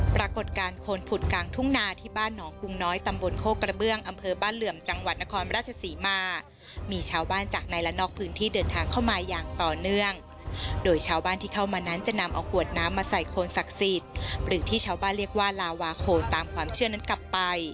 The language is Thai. ปรากฏการณ์โคนผุดกางทุ่งนาที่บ้านหนองกรุงน้อยตำบลโคกระเบื้องอำเภอบ้านเหลือจังหวัดนครราชสีมา